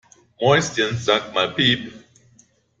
Mäuschen, sag mal piep!